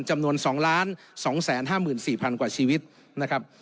จำนวน๒๒๕๔๐๐๐กว่าชีวิตนะครับ